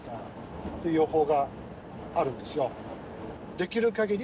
できる限り